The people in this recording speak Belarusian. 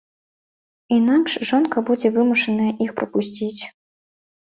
Інакш жонка будзе вымушаная іх прапусціць.